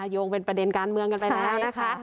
โยงเป็นประเด็นการเมืองกันไปแล้วนะคะ